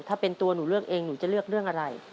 ถ้าเป็นตัวหนูเลือกเองหนูจะเลือกเรื่องอะไร